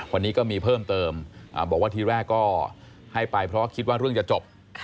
วันนี้ก็มีเพิ่มเติมบอกว่าทีแรกก็ให้ไปเพราะว่าคิดว่าเรื่องจะจบ